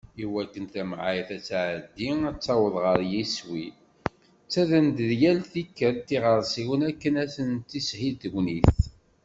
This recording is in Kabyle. I wakken tamεayt ad tεeddi, ad taweḍ γer yiswi, ttadren-d yal tikkelt iγersiwen akken ad sen-tishil tegnit.